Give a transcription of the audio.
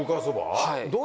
はい。